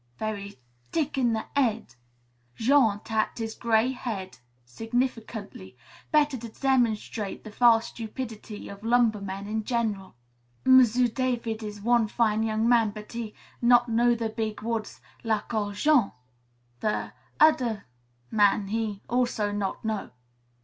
Very t'ick in the 'aid." Jean tapped his gray head significantly, better to demonstrate the vast stupidity of lumbermen in general. "M'sieu' David is one fine young man, but he not know the big woods lak' ol' Jean. The ot'er man, he also not know."